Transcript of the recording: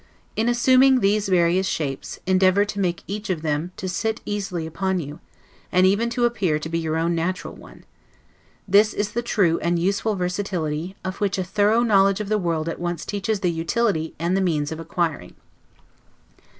In assuming these various shapes, endeavor to make each of them seem to sit easy upon you, and even to appear to be your own natural one. This is the true and useful versatility, of which a thorough knowledge of the world at once teaches the utility and the means of acquiring.